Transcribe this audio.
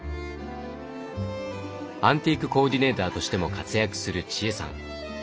アンティークコーディネーターとしても活躍する千恵さん。